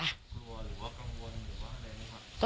กลัวหรือว่ากังวลหรือว่าอะไรไหมครับ